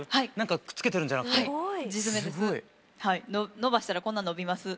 伸ばしたらこんな伸びます。